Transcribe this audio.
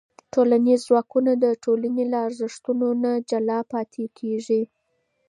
ټولنیز ځواک د ټولنې له ارزښتونو نه جلا نه پاتې کېږي.